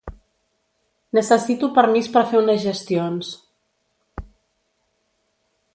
Necessito permís per fer unes gestions.